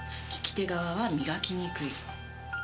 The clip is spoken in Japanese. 利き手側は磨きにくい。